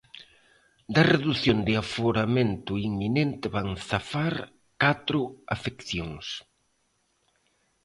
Da redución de aforamento inminente van zafar catro afeccións.